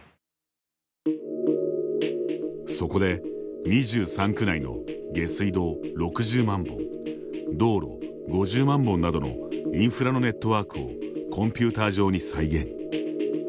そこで２３区内の下水道６０万本道路５０万本などのインフラのネットワークをコンピューター上に再現。